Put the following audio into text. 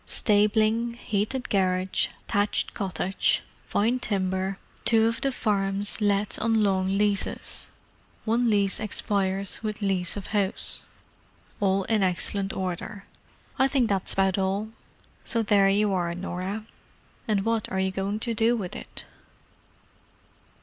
"Stabling, heated garage, thatched cottage. Fine timber. Two of the farms let on long leases; one lease expires with lease of house. All in excellent order. I think that's about all. So there you are, Norah. And what are you going to do with it?"